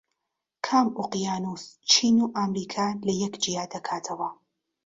کام ئۆقیانوس چین و ئەمریکا لەیەک جیا دەکاتەوە؟